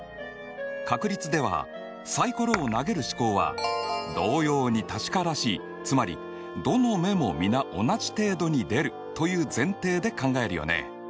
確率ではサイコロを投げる試行はつまりどの目も皆同じ程度に出るという前提で考えるよね。